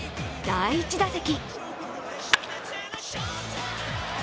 第３打席。